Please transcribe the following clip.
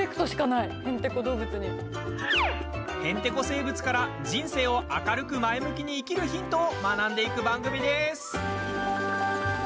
生物から、人生を明るく前向きに生きるヒントを学んでいく番組です。